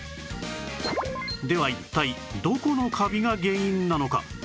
では一体どこのカビが原因なのか？